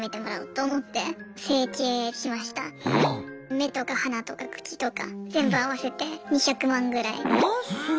目とか鼻とか口とか全部合わせて２００万ぐらい。